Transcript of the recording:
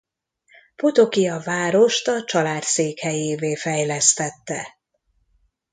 Potocki a várost a család székhelyévé fejlesztette.